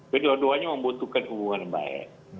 kedua duanya membutuhkan hubungan baik